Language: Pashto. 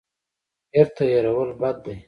بیرته هېرول بد دی.